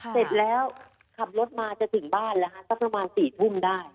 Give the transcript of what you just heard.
เสร็จแล้วขับรถมาจะถึงบ้านแล้วฮะสักประมาณ๔ทุ่มได้